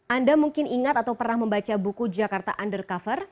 anda mungkin ingat atau pernah membaca buku jakarta undercover